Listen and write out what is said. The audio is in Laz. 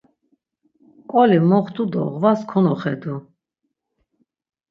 Mǩoli moxtu do ğvas konoxedu.